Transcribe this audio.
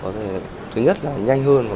thứ nhất là nhanh hơn